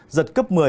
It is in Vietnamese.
giật cấp một mươi